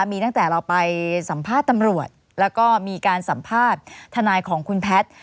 มีตั้งแต่เราไปสัมภาษณ์ตำรวจแล้วก็มีการสัมภาษณ์ทนายของคุณแพทย์